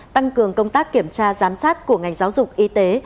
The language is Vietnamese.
tăng cường công tác kiểm tra giám sát của ngành giáo dục y tế